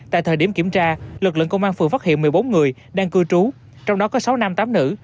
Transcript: tại thời điểm kiểm tra lực lượng công an phường phát hiện một mươi bốn người đang cư trú trong đó có sáu nam tám nữ